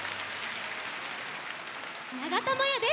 ながたまやです。